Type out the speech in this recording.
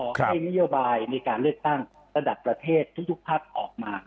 ให้นโยบายในการเลือกตั้งระดับประเทศทุกภาคออกมา